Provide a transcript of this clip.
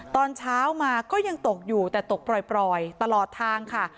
ตอนเช้ามาก็ยังตกอยู่แต่ตกปล่อยตลอดทางค่ะ